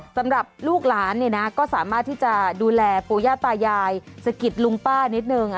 สำหรับลูกหลานเนี่ยนะก็สามารถที่จะดูแลปู่ย่าตายายสะกิดลุงป้านิดนึง